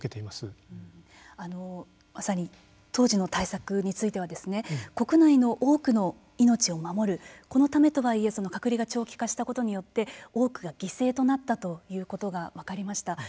まさに当時の対策については国内の多くの命を守るこのためとはいえその隔離が長期化したことによって多くが犠牲となったということが分かりました。